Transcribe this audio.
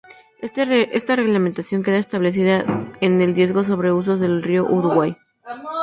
Esta reglamentación queda establecida en el Digesto sobre usos del Río Uruguay.